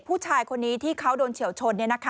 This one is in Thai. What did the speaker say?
ผู้ชายคนนี้ที่เขาโดนเฉียวชน